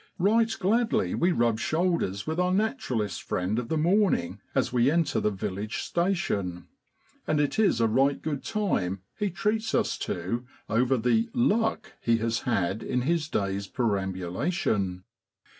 Right gladly we rub shoulders with our naturalist friend of the morning as JUNE IN BROADLAND. we enter the village station, and it is a right good time he treats us to over the 'luck' he has had in his day's perambulation.